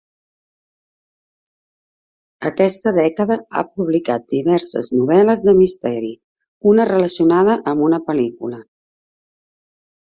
Aquesta dècada ha publicat diverses novel·les de misteri, una relacionada amb una pel·lícula.